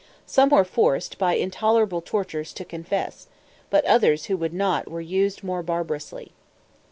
Some were forced, by intolerable tortures, to confess; but others, who would not, were used more barbarously.